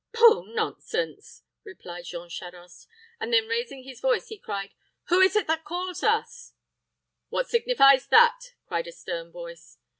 "Pooh, nonsense," replied Jean Charost; and then raising his voice, he cried, "Who is it that calls?" "What signifies that," cried a stern voice.